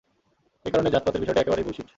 এই কারণে জাত-পাতের বিষয়টা একেবারেই বুলশিট।